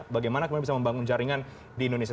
bagaimana kemudian bisa membangun jaringan di indonesia